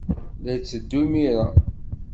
La yetteddu imir-a?